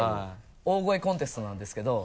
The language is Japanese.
大声コンテストなんですけど。